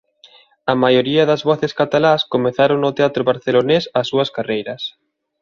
A maioría das voces catalás comezaron no teatro barcelonés as súas carreiras.